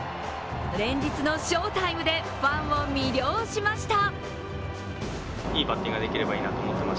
連日の翔タイムでファンを魅了しました。